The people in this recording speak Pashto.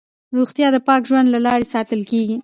روغتیا د پاک ژوند له لارې ساتل کېږي.